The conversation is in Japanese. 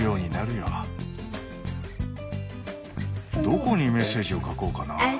どこにメッセージを書こうかな？